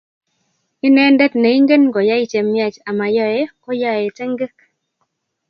Inendet neingen koyai chemiach amoyoei, ko yoei tengek